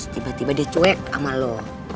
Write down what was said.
tiba tiba dia cuek sama lo